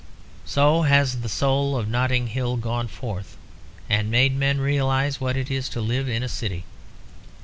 So has the soul of Notting Hill gone forth and made men realise what it is to live in a city.